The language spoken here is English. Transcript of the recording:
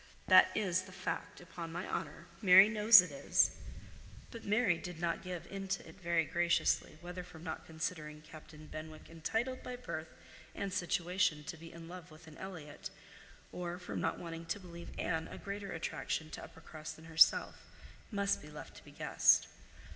That is the fact, upon my honour. Mary knows it is." But Mary did not give into it very graciously, whether from not considering Captain Benwick entitled by birth and situation to be in love with an Elliot, or from not wanting to believe Anne a greater attraction to Uppercross than herself, must be left to be guessed.